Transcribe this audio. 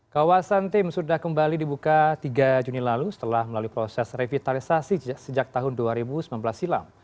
kawasan tim sudah kembali dibuka tiga juni lalu setelah melalui proses revitalisasi sejak tahun dua ribu sembilan belas silam